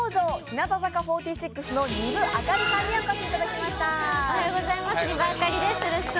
向坂４６の丹生明里さんにお越しいただきました。